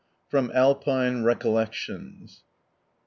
^From Alpine Recollections.)